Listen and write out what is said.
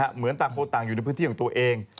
เหมือนต่างคนต่างอยู่ในพื้นที่ของตัวเอง